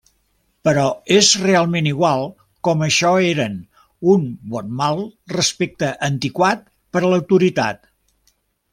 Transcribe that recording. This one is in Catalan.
Però és realment igual com això eren, un bon mal respecte antiquat per a l'autoritat.